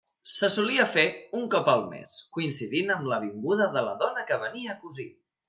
Se solia fer un cop al mes, coincidint amb la vinguda de la dona que venia a cosir.